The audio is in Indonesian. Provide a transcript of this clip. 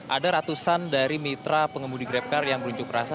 ada ratusan dari mitra pengemudi grabcar yang berunjuk rasa